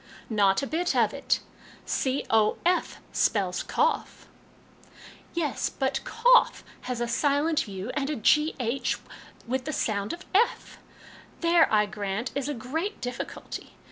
Not a bit of it ; c o f spells cough !"" Yes ; but ' cough ' has a silent , and a gh with the sound of / There, I grant, is a great difficulty.